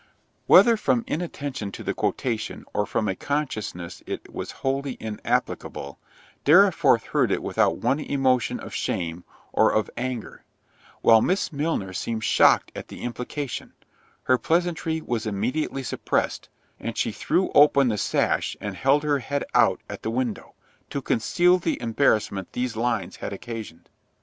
Whether from an inattention to the quotation, or from a consciousness it was wholly inapplicable, Dorriforth heard it without one emotion of shame or of anger—while Miss Milner seemed shocked at the implication; her pleasantry was immediately suppressed, and she threw open the sash and held her head out at the window, to conceal the embarrassment these lines had occasioned.